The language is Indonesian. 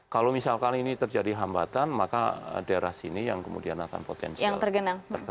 kalau misalkan ini terjadi hambatan maka daerah sini yang kemudian akan potensial terkena